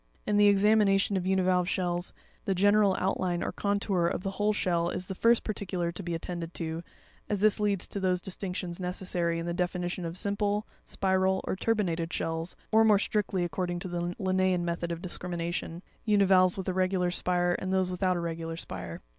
In the examination of univalve shells, the general outline or contour of the whole shell is the first particular to be attended to, as this leads to those distinctions necessary in the definition of simple, spiral, or turbinated shells, or more strictly, accord ing to the Linnean method of discrimination, univalves with a regular spire, and those without a regular spire.